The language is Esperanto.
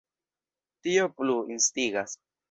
Tio plu instigas.